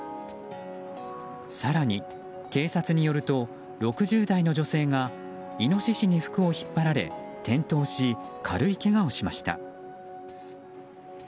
更に、警察によると６０代の女性がイノシシに服を引っ張られ転倒し軽いけがをしました。